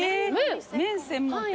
麺専門店。